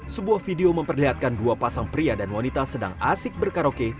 sebuah video memperlihatkan dua pasang pria dan wanita sedang asik berkaroke